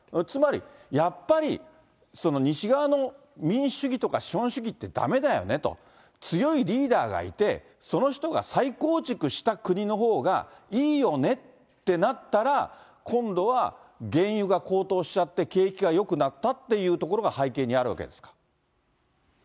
つまり、やっぱり西側の民主主義とか資本主義ってだめだよねと、強いリーダーがいて、その人が再構築した国のほうがいいよねってなったら、今度は原油が高騰しちゃって、景気がよくなったっていうところが背景にあるわけですか。